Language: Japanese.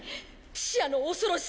ピシアの恐ろしさを。